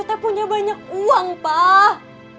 kita punya banyak uang pak